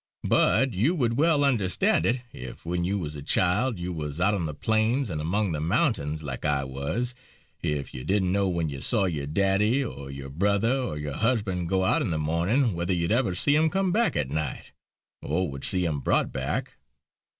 But you would well understand it, if when you was a child, you was out on the plains and among the mountains, like I was; if you didn't know when you saw your daddy, or your brother, or your husband go out in the morning whether you'd ever see him come back at night, or would see him brought back.